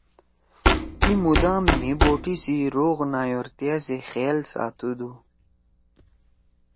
ای مُدام مھی بوٹی سی روغ نایورتیا سی خیال ساتُودُو“